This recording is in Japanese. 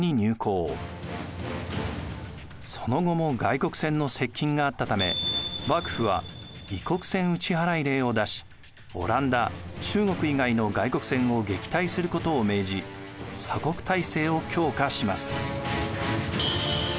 その後も外国船の接近があったため幕府は異国船打払令を出しオランダ中国以外の外国船を撃退することを命じ鎖国体制を強化します。